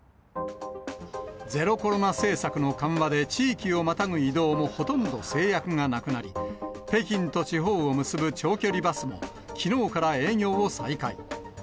ゼロコロナ政策の緩和で地域をまたぐ移動もほとんど制約がなくなり、北京と地方を結ぶ長距離バスも、きのうから営業を再開。